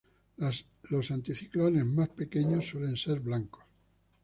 Los anticiclones más pequeños suelen ser blancos.